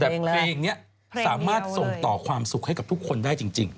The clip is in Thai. แต่เพลงนี้สามารถส่งต่อความสุขให้กับทุกคนได้จริง